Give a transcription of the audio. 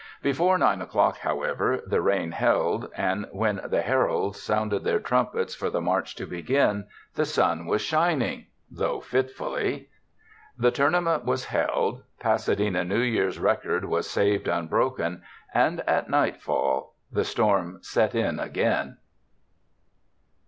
Before nine o'clock, however, the rain held, and when the her alds sounded their trumpets for the march to begin, the sun was shining, though fitfully. The Tourna ment was held, Pasadena New Year's record was saved unbroken, and at nightfall — the storm set in again